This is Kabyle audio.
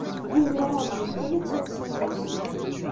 Yugi ad aɣ-d-yefk ula d tansa-nnes.